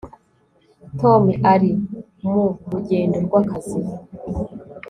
Tom ari mu rugendo rwakazi